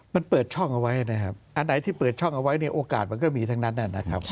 มันเปิดช่องเอาไว้ไหนที่เปิดช่องเอาไว้โอกาสมันก็มีทั้งนั้นนะครับ